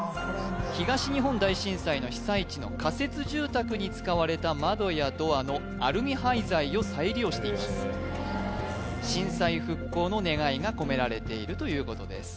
東日本大震災の被災地の仮設住宅に使われた窓やドアのアルミ廃材を再利用しています震災復興の願いが込められているということです